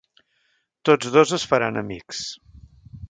Tots dos es faran amics.